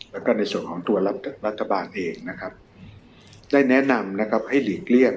และในส่วนของตัวรัฐบาลเองได้แนะนำให้หลีกเลี่ยง